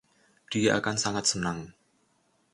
Dia akan sangat senang.